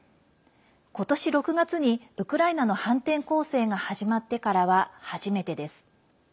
今年６月にウクライナの反転攻勢が始まってからは初めてです。